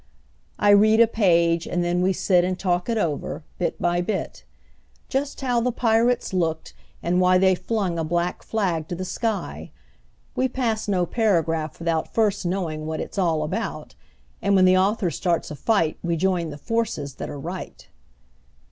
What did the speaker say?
I read a page, and then we sit And talk it over, bit by bit; Just how the pirates looked, and why They flung a black flag to the sky. We pass no paragraph without First knowing what it's all about, And when the author starts a fight We join the forces that are right.